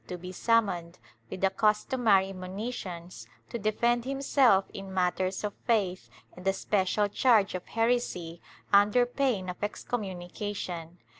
VUI] PROSECUTION OF THE ABSENT 87 be summoned, with the customary monitions, to defend himself in matters of faith and a special charge of heresy, under pain of excommunication.